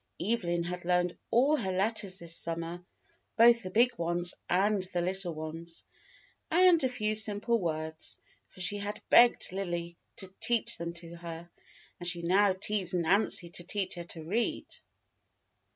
Evelyn had learned all her letters this summer, both the big ones and the little ones, and a few simple words, for she had begged Lily to teach them to her, and she now teased Nancy to teach her to read.